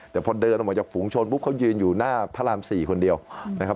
แต่พอเดินออกมาจากฝูงชนปุ๊บเขายืนอยู่หน้าพระราม๔คนเดียวนะครับ